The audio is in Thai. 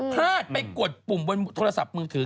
พลาดไปกดปุ่มบนโทรศัพท์มือถือ